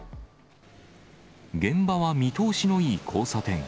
現場は見通しのいい交差点。